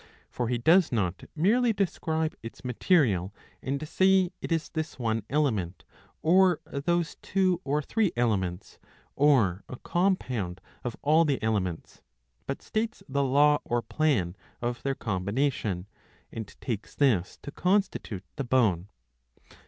For he does not merely describe its material, and say it is this one element, or those two or three elements, or a compound of all the elements, but states the law or plan of their combination, and takes this to constitute the bone.